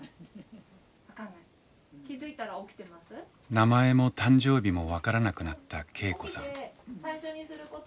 名前も誕生日も分からなくなった恵子さん。